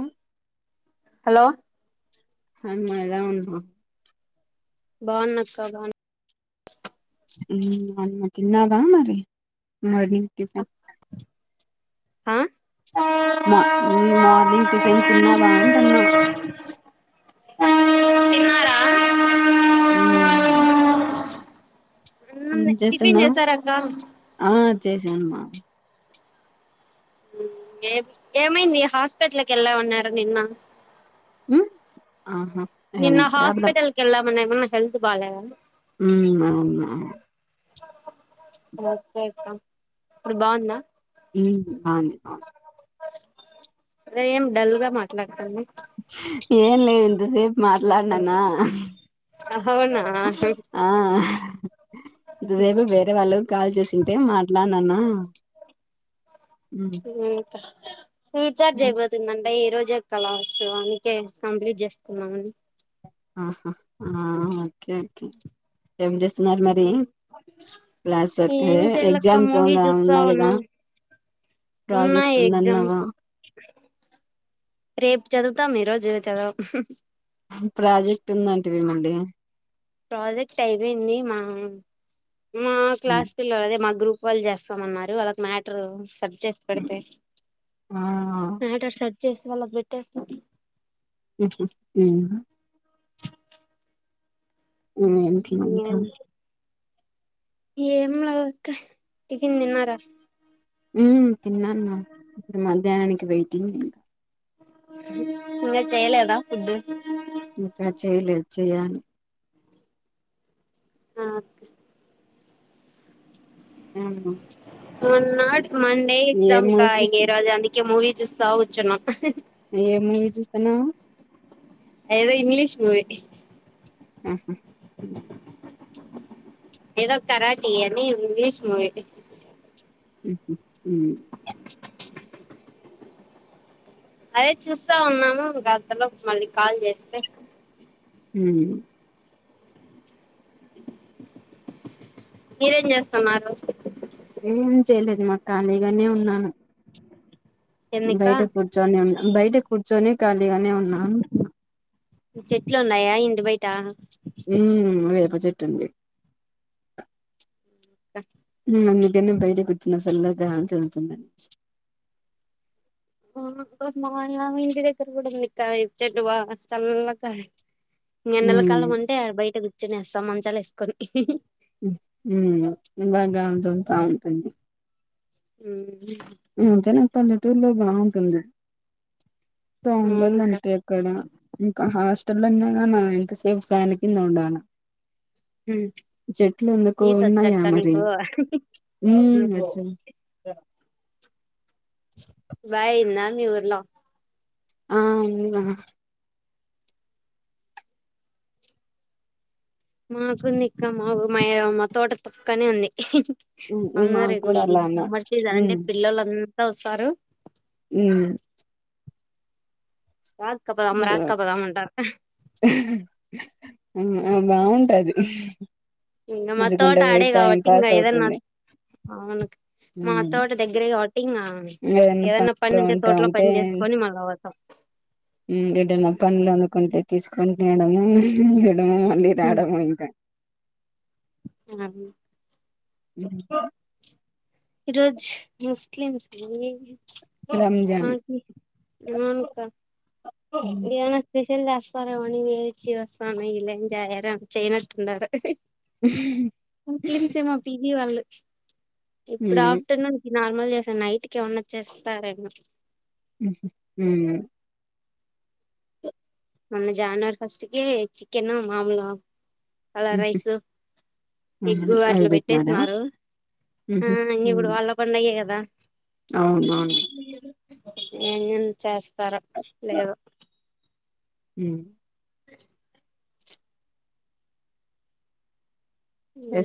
ఉ hello హ్యాండ్ మైదావును బాగున్నాక్క బాగున్నా ఉమ్ ఏమన్నా తిన్నారా మరి మార్నింగ్ టిఫిన్ ఆ మ మార్నింగ్ టిఫిన్ తిన్నావా అంటున్న తిన్నారా ఉహు ఉమ్ టిఫిన్ చేస్తున్నా చేసారక్క ఆ చేశానమ్మ ఏం ఏమైంది హాస్పటల్ కేళ్ళావన్నారు నిన్న ఆ నిన్న హాస్పిటల్ కెల్లా మని ఏమన్న హెల్త్ బాలేదా ఉన్న ఉన్న ఓకే అక్క ఇప్పుడు బాగుందా ఉ బాగుంది బా రెం డల్ గా మాట్లాడుతుంది ఏం లేదు ఇంత సేపు మాట్లాడిననా నా సైడ్ ఇంతసేపు వేరే వాళ్ళు కాల్ చేసింటే మాట్లాడినన ఇదే అక్క రీఛార్జ్ అయిపోతుందంట ఈ రోజే కలసు అందుకే కంప్లీట్ చేసుకుందామని ఆహా ఆ ఓకే ఓకే ఏం చేస్తున్నారు మరి క్లాస్ వరకు డే ఏం చేయలేక్క ఎగ్జామ్స్ మూవీ చూస్తా ఉన్నాయి కదా ఉన్నాం ప్రాజెక్ట్ ఉన్నాయి ఉందన్న ఎగ్జామ్స్ రేపు చదువుతాం ఈరోజు చదువం ప్రాజెక్ట్ ఉందంటీవి మొండి ప్రాజెక్ట్ అయిపోయింది మా మా క్లాస్ పిల్లో లే అదే మా గ్రూప్ వాలు చేస్తామన్నారు వాళ్ళకు మ్యాటర్ సర్ చేసి పెడితే ఆ మ్యాటర్ సర్ చేసి వాళ్ళకు పెట్టేస్తం ప్లేస్ ఉత్తైంది ఈ ఇంట్లుంట ఇగ ఏంలేదు అక్క టిఫిన్ తిన్నరా ఉ తిన్నాను మా ఇప్పుడు మద్యనానికి వెయిటింగ్ ఇంకా చెయలేదా ఫుడ్ ఇంకా చేయలేదు చెయ్యాలి ఆ ఓకే ఆ మొన్న మన్ డే ఎగ్జామ్ కా చూస్తా ఇగ రోజు అందుకే మూవీ చూస్తా కూర్చున్నాం ఏ మూవీ చూస్తున్న ఏదో ఇంగ్లీష్ మూవి ఆహ ఏదో కరాటి అని ఇంగ్లిష్ మూవీ ఉహు ఉ అదే చూస్తా ఉన్నాము గంతలోపు మళ్ళీ కాల్ చేస్తే ఉం మీరేం చేస్తున్నారు ఏం చేయలేదు మా ఖాళీగానే ఉన్నాను ఎందుకా బయట కూర్చొని అం బయట కూర్చొని ఖాళీగానే ఉన్నా అంటున్నా చెట్లు ఉన్నాయా ఇంటి బయట ఉ వేప చెట్టు ఉంది క ఉ అందుకని బయటే కూర్చున్న సల్ల గాలి తగులుతుంది ఆ మా ఇ యా మీ ఇంటి దగ్గర కూడా ఉంది కాయ్ చెట్టు బాగా సల్ల గా ఇ ఎండల ఉమ్ కాలం అంటే బయట కూర్చొనేస్తాం మంచాలు వేసుకొని ఉమ్ బాగా దొరుకుతా ఉ ఉ జన పల్లెటూర్లో బాగుంటుంది తోంగలు అవునక్క అంతే ఇక్కడ ఇంకా హాస్ చల్లంగాన ఇంతసేపు ఫ్యాన్ కింద ఉండా చెట్లు ఎందుకు ఈత ఉన్నాయా వచ్చక్క మరి నీకు ఊ సెమ్ దా బాయ్ ఉందా మీ ఊర్లో ఆ మాకుంది ఇక్క మాకు మామ్ మా తోట పక్కనే ఉంది మా అమ్మర్ మాకు ఇది కూడా ఇది మీ అలానే సమర్చ అంటే పిల్లలంతా వస్తారు ఉ రాక్క పదాం ఇగ రాక్క పదాం అంటారు ఆ బాగుంటది ఇంగ మా నడుచుకుంట తోట పోయి టైం అడేగావట్టి ఇంగ పాస్ ఏదన్నా అవుతుంది అవును మా ఉమ్ తోట దగ్గర హటింగ్ ఏదన్నా ఏదైనా పని పనిలో ఉంటే ఉంటా తోటలో పని చేసుకొని మళ్ళ అవ త ఏదైటనా పండ్లు అందుకుంటే తీసుకొని తినడము మళ్ళీ తీయడము మళ్ళీ రాడము ఇంకా ఆ [unintelligible] ఈ రోజ్ ముస్లిమ్స్ ది అ రంజాన్ అవునుకా ఉమ్ ఏమస్తే తిన్ లేస్తారు తినొచ్చి వస్తను ఇలా జయ చేయనట్టుండారు ముస్లింస్ ఏమో పిజి వాళ్ళు ఇప్పుడు ఆఫటర్నూన్ నార్మల్ చేసా నైట్కి ఏమన్నా చేస్తారెమో ఊ మన్న జానవరి ఫస్ట్ కే చికెన్ మాముల కలర్ రైసు ఉమ్ ఎగ్గు అది అట్లు పెట్టినారా పెట్టేసినారు ఆ ఉహు అన్ని ఉమ్ కూడా వాళ్ళ పండగే కదా అవునవును ఎందేం చేస్తరో లేదు ఉ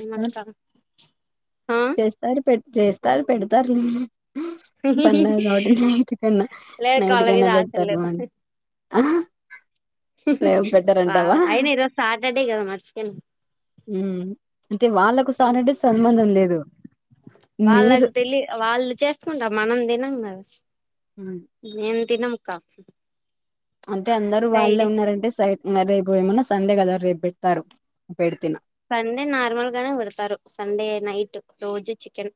ఉమ్ అట్లా చేస్తారు పెట్ చేస్తారు పెడతారు పన్నెండు, ఒకటి కన్నా లేదు నైట్ కళ్ళ మీద కన్నా ఆశలు పెడతారు మ అ ఆ అయినా ఈరోజు సాటర్డే కదా మర్చిపెంది ఉ అంటే వాళ్ళకు సాటర్డే సంబంధం లేదు మీరు వాళ్ళకు తెలిదు వాళ్ళు చేసుకుంటారు మనం తినం కదా ఉమ్ మేము తినం అక్క అంటే అందరు వాళ్ళే ఉన్నారంటే సై రేపు ఏమన్నా సండే కదా రేపు పెడతారు పెడితిన సండే నార్మల్ గానే పెడతారు సండే నైట్ రోజు చికెన్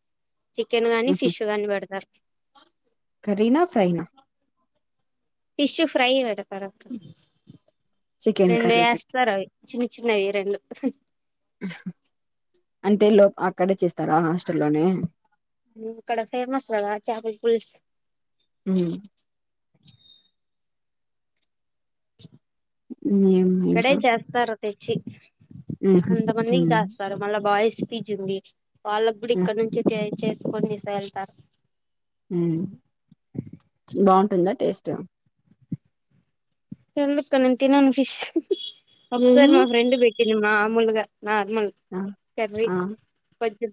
చికెన్ గానీ ఉహు ఫిష్ గాని పెడతారు కర్రీనా ఫ్రైనా ఫిషు ఫ్రై పెడతారు అక్క చికెన్ రెండు కర్రీ పెట్ వేస్తారు. అవి చిన్న చిన్నవి రెండు. అంటే లో అక్కడే చేస్తారా హాస్టల్లోనే. ఇక్కడ ఫేమస్ కదా చేపల పులుసు. ఉమ్ [unintelligible] ఇక్కడే [unintelligible] చేస్తారు తెచ్చి, ఉహు అంతమందికి ఉమ్ చేస్తారు మళ్ళా బాయి స్పీచ్ ఉంది. వాళ్లకు కూడా ఉహ్ ఇక్కడ నుంచి ఛాయ చేసుకొని తీసు కే ళ్తా. హ్మ్, బాగుంటుందా టేస్ట్. చందు అక్క నేను తినను ఫిష్, ఒకసారి ఏమి మా ఫ్రెండ్ పెట్టింది మామూలుగా. నార్మల్, ఆ కర్రీ, ఆ కొంచెం.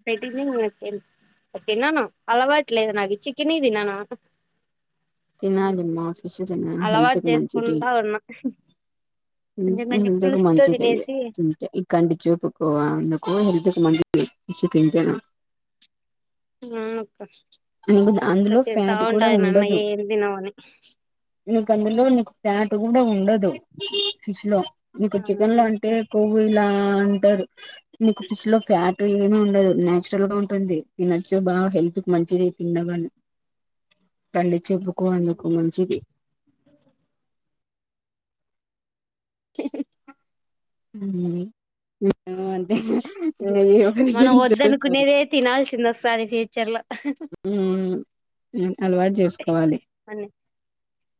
[unintelligible] [unintelligible] తినాలిమ్మ ఫిష్ తినాలి హెల్త్ అలవాటు కు మంచిది. చేసుకుంటా ఉన్నా కొంచెం కొంచెం హెల్త్ కు పులుసుతో మంచిది తినేసి ఈ కంటి చూపుకో. హో హెల్త్ కి మంచిది ఫిష్ తింటేనా. అందులో ఫ్యాట్ [unintelligible] [unintelligible] కొవ్వు కూడా ఉండదు, ఫిష్ లో మీకు చికెన్ అవును లో అంటే అక్క కొవ్వు ఇలా. ఇలా అంటారు, ఫిష్ లో ఫ్యాట్ ఉం. ఏమమి ఉండదు నచురల్ గాఉంటుంది, ఈ నచ్చు బా హెల్త్ మంచిది. తిండవని, తల్లి చెప్పుకో అందుకు మంచిది. [unintelligible] [unintelligible] [unintelligible] మనం చేస్తారు వద్దనుకునేదే తినాల్సింద ఒకసారి ఫ్యూచర్ లో. [unintelligible] అలవాటు చేసుకోవాలి. అ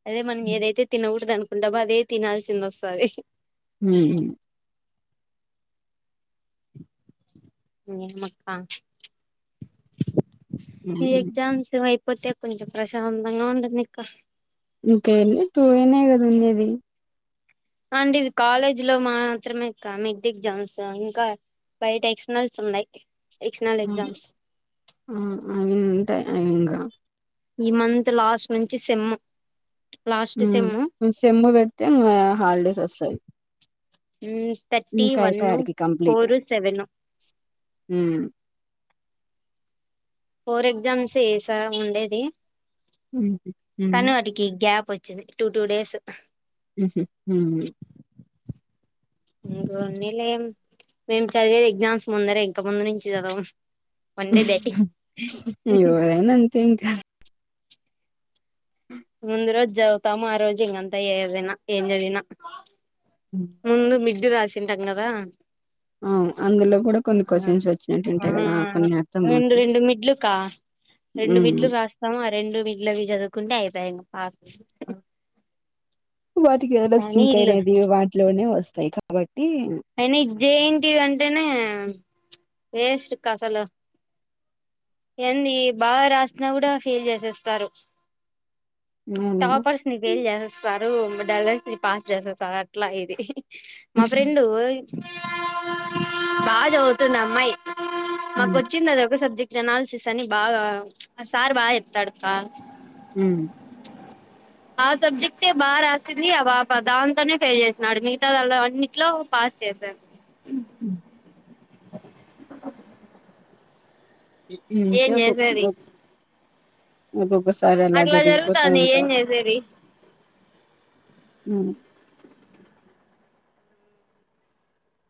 అదే మనం ఏదైతే తినకూడదు. అనుకుంటాబో అదే తినాల్సింది వస్తుంది. హ్మ్ ఏంమ్ అక్క. ఈ ఎగ్జామ్స్ అయిపోతే కొంచెం ప్రశాంతంగా ఉండంది అక్క. ఇంకేమి టు ఇన్ ఏ కదా ఉండేది. హా అండి ఇది కాలేజ్ లో మాత్రమే మెట్ ఎగ్జామ్స్ ఇంకా. బయట ఎక్స్నల్స్ ఉన్నాయి్. హహ, అవి ఉంటాయి అవి ఏం కావు. ఈ మంత్ లాస్ట్ నుంచి సిమ్ము. సిమ్ము పెడితే హాలిడేస్ వస్తాయి. థర్టీ ఇంకా వన్ అయిపా యే ఆడికి కంప్లీట్, ఫోర్ సెవెన్ హమ్. ఫోర్ ఎగ్జామ్స్స చేశా ఉండేది. హ్మ్ హు తను వాటికి గ్యాప్ వచ్చి. Two two days. హ్మ్ ఇండ లే మేం చదివేది ఎగ్జామ్స్ ముందరే ఇంక ముందు నుంచి చదవవు. ఇవరేనంత ఇంకా. ముందు రోజు చదు వుతాము, ఆ రోజు ఇక అంతే ఏదిన ఏం చదివిన. [unintelligible] [unintelligible] ఆ అందులో కూడా కొన్ని క్వశ్చన్స్ వచ్చినట్టు. ఉంటాయి. కదా కొన్ని అర్థం అవుతుంది. అక్క, రెండు మిడ్లు రాస్తాము. ఆ రెండు మిడ్లువి చదువుకుంటే అయిపోయి. వాటికి ఏదనా కానీ సింక్ ఈళ్ళు అయినేది వాటిలోనే వస్తాయి కాబట్టి. టి జెయింట్ అంటేనే వేస్ట్ కథలు. ఏంది బాగా రాసిన్న కూడా ఫెల్ చేసేస్తారు అవును టాపర్స్ ని ఫేల్ చేసేస్తారు, డల్లర్స్ని పాస్ చేసేస్తారు, అట్లా ఇది. మా ఫ్రెండు బా చదువుతుంది అమ్మాయి హ్మ్ మాకు వచ్చింది అదొక్క సబ్జెక్ జనాలసిస్ అని బాగా ఆ సార్ బాగా చెప్తాడుక్క హ ఆ ఆ సబ్జెక్టే బా రాసింది, ఆ బప దాంతోనే ఫెయిల్ చేసినడు. మిగతా దల్ల అన్నింట్లో పాస్, చేసా ఇడ్లీ ఏం ఉంటే క్కో చేసేది [unintelligible] ఒక్కొక్కస సారి అలా అట్లా జరిగిపోత జరుగుతాంది ఏం ఉంటారు చేసేది ఉ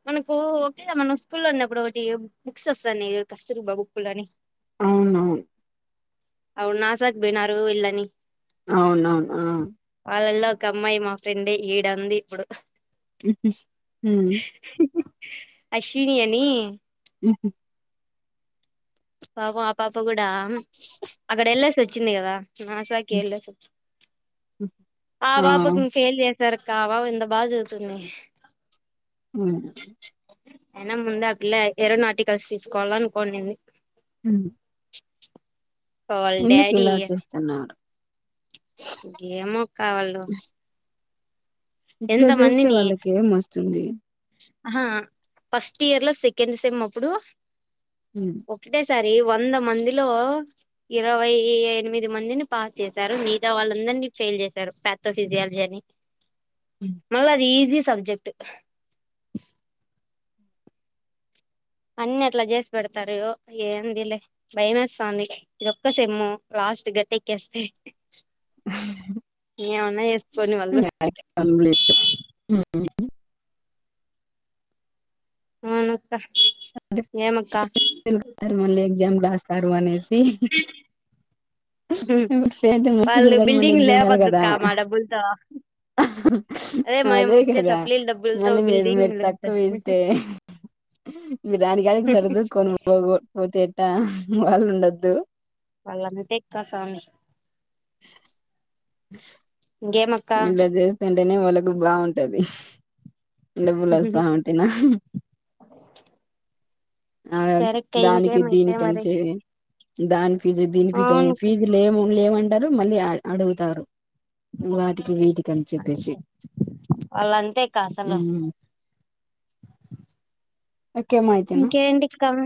మనకూ ఒకే మన స్కూల్ ఉన్నప్పుడు, ఒకటి బు బుక్స్ వస్తాన్నాయిచూడు! కస్తరూబా బుక్కులని. అవునవున్ అవును నాసాకు బేనారు వీళ్ళని అవునవును ఆ వాళ్ళల్లో ఒక అమ్మాయి మా ఫ్రెండే ఈడ ఉంది ఇప్పుడు హుహు. హ్మ్ అశ్విని అని ఉహు పాపం ఆ పాప గుడా అక్కడ ఏళ్ళేసి వచ్చింది కదా నాసా హుహుహు. కెళ్ళేసొచ్చింది ఆ పాపకిం ఫేల్ చేస్ సరక్క ఆ బాప ఎంత బాగా చదువుతుంది అ అయినా ముందు ఆ పిల్ల ఏరోనాటికల్స్ తీసుకోల్ల అనుకోనింది హు వాళ్ళ ఎందుకు డాడీ ఇలా చేస్తున్నాడు గేమోక్క వాళ్లు ఇట్లా జెస్తే వాళ్ళకేం వస్తుంది ఆహా ఫస్ట్ ఇయర్ లో సెకండ్ సెమ్ అప్పుడు హు సరి వంద మందిలో, ఇరవై ఎనిమిది మందిని పాస్ చేశారు. మిగతా వాళ్లం, దర్నీ ఫెయిల్ చేశారు ఫ్యాత్తో ఫిజియాలజీ అని మళ్ళ అది ఈజీ సబ్జెక్ట్ అన్ని అట్లా చేసి పెడతారు! ఏంది లే భయమేసంది ఇదొక్క సేమ్ము. ఫాస్ట్ గట్టెక్కేస్తే ఏమన్నా చేసుకోని వాళ్ళు అవును [inaudible] మళ్ళీ ఎగ్జామ్ రాస్తారు అనేసి. చేతులు వాళ్ళు నొప్పించేలాగ [unintelligible] మళ్ళీ బిల్డింగ్ ఎగ్జామ్, రాయాలి కదా లేపద్దుక్క మా డబ్బులతో మేము అదే ఇచ్చే కదా! సప్లీల డబ్బులతో మళ్ళీ మీరు, బిల్డింగ్ మీరు తక్కువ వేస్తే. మీరు దానికి, దానికి సరదు కొని పో కా పోతే ఎట్టా? వాళ్లు ఉండద్దు. వాళ్లంతెక్క సామి అ ఇంగేమక్క టేనే వాళ్లకు బావుంటది ఇండపూలు వస్తా ఉంటేనా ఆ సరేక్క దానికి ఇంకేమైతే మరి దీనికంసేయి దాని ఫీజు, దీని ఫీజు, అనే అవునక్క ఫీజు లేము లేవు అంటారు. మళ్ళీ ఆ అడుగుతారు, వాటికి వీటికని చెప్పేసి వాళ్ళంతేక్క ఊ అసలు నాకేమో ఐతుంది కమ్